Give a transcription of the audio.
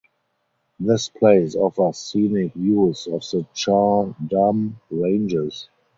This place offers scenic views of the Char Dham ranges.